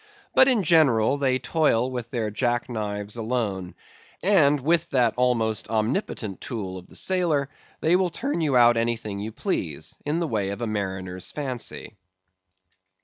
But, in general, they toil with their jack knives alone; and, with that almost omnipotent tool of the sailor, they will turn you out anything you please, in the way of a mariner's fancy.